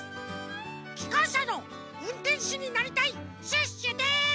きかんしゃのうんてんしになりたいシュッシュです！